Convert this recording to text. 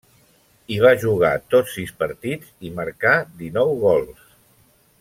Hi va jugar tots sis partits, i marcà dinou gols.